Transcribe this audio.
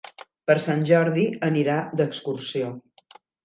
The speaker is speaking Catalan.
Per Sant Jordi anirà d'excursió.